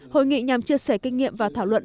hội nghị nhằm chia sẻ kinh nghiệm và thảo luận